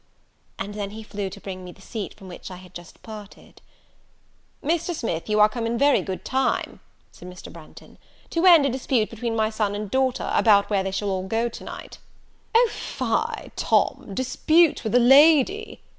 and then he flew to bring me the seat from which I had just parted. "Mr. Smith, you are come in very good time," said Mr. Branghton, "to end a dispute between my son and daughter, about where they shall all go to night." "O, fie, Tom, dispute with a lady!"